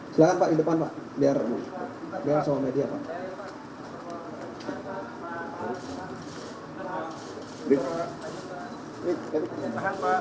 silahkan pak di depan